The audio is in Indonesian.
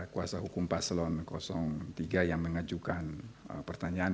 kuasa hukum paselon tiga yang mengejukan pertanyaan